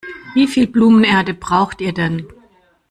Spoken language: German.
Wie viel Blumenerde braucht ihr denn?